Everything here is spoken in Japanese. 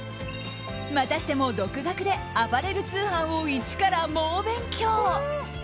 またしても独学でアパレル通販を一から猛勉強。